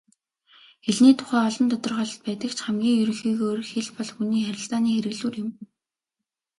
Хэлний тухай олон тодорхойлолт байдаг ч хамгийн ерөнхийгөөр хэл бол хүний харилцааны хэрэглүүр юм.